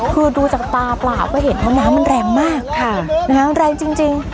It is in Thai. คือดูจากตาปลาก็เห็นว่าน้ำมันแรงมากค่ะนะคะมันแรงจริงจริง